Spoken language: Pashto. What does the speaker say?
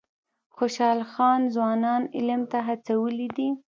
خوشحال خان ځوانان علم ته هڅولي دي.